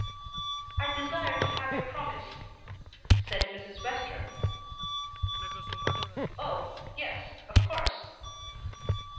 "I desire to have your promise," said Mrs. Western. "Oh, yes, of course."